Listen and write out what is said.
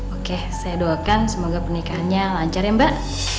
oke saya doakan semoga pernikahannya lancar ya mbak